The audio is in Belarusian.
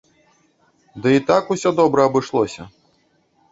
Ды і так усё добра абышлося.